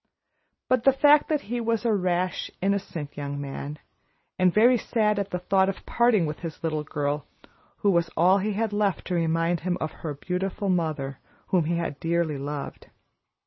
But the fact was that he was a rash, innocent young man, and very sad at the thought of parting with his little girl, who was all he had left to remind him of her beautiful mother, whom he had dearly loved.